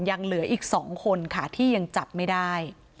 ยังเหลืออีก๒คนค่ะที่ยังจับไม่ได้